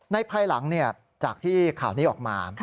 ภายหลังจากที่ข่าวนี้ออกมา